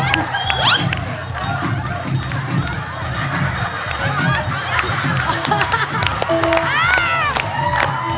ลองประชานกันนะครับ